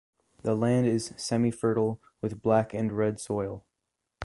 The land is semi-fertile with black and red soil.